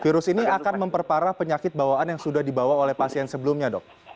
virus ini akan memperparah penyakit bawaan yang sudah dibawa oleh pasien sebelumnya dok